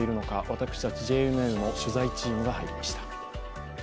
私たちＪＮＮの取材チームが入りました。